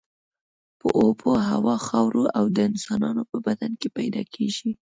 په اوبو، هوا، خاورو او د انسانانو په بدن کې پیدا کیږي.